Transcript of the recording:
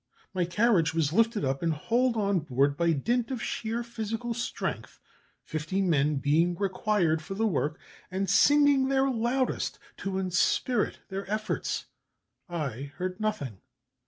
My carriage was lifted up and hauled on board by dint of sheer physical strength, fifty men being required for the work, and singing their loudest to inspirit their efforts I heard nothing.